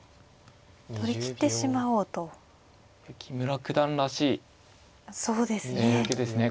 木村九段らしい受けですね